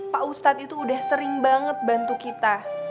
pak ustadz itu udah sering banget bantu kita